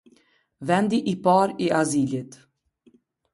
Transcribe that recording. Vendi i parë i azilit.